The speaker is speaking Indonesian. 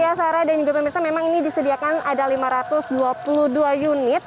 ya sarah dan juga pemirsa memang ini disediakan ada lima ratus dua puluh dua unit